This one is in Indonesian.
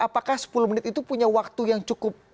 apakah sepuluh menit itu punya waktu yang cukup